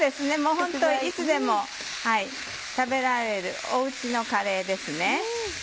ホントいつでも食べられるお家のカレーですね。